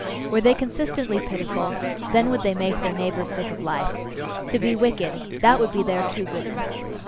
Were they consistently pitiful, then would they make their neighbours sick of life. To be wicked that would be their true goodness.